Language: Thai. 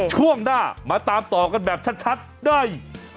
ช่วงหน้ามาตามต่อกันแบบชัดได้